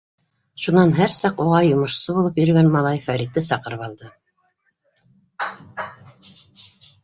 Шунан һәр саҡ уға йомошсо булып йөрөгән малай Фәритте саҡырып алды.